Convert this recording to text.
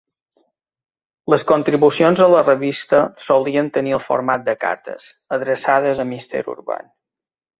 Les contribucions a la revista solien tenir el format de cartes, adreçades a "Mr. Urban".